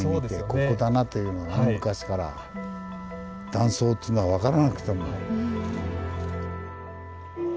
断層っつうのは分からなくても。